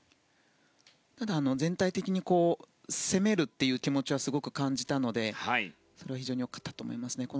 全体的に攻めるという気持ちはすごく感じたので非常に良かったと思います。